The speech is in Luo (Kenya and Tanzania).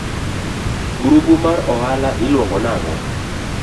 Grubu mar oala iluongo nang'o?